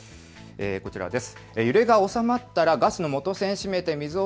こちらです。